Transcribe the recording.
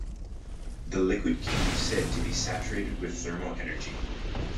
The liquid can be said to be saturated with thermal energy.